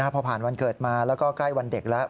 พอผ่านวันเกิดมาแล้วก็ใกล้วันเด็กแล้ว